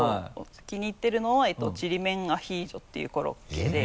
気に入ってるのは「ちりめんアヒージョ」っていうコロッケで。